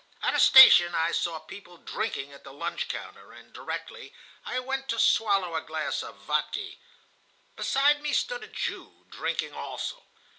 "At a station I saw people drinking at the lunch counter, and directly I went to swallow a glass of vodka. Beside me stood a Jew, drinking also.